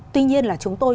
tuy nhiên là chúng tôi